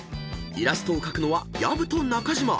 ［イラストを描くのは薮と中島］